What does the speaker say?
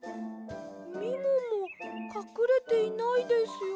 みももかくれていないですよ？